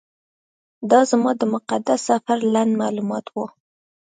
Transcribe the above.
دا زما د مقدس سفر لنډ معلومات و.